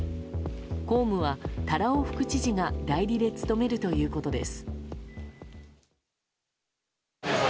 公務は多羅尾副知事が代理で務めるということです。